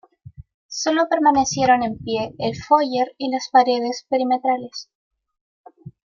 Solo permanecieron en pie el foyer y las paredes perimetrales".